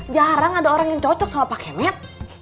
jarang ada orang yang cocok sama pak emet